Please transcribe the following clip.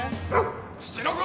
ツチノコ！？